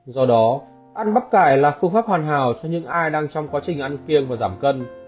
do đó ăn bắp cải là phương pháp hoàn hảo cho những ai đang trong quá trình ăn kiêng và giảm cân